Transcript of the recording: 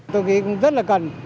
tôi nghĩ cũng rất là cần